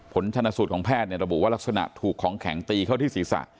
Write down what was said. ผลชนสูตรของแพทย์ระบุว่ารักษณะถูกของแข็งตีเข้าที่ศีรษะ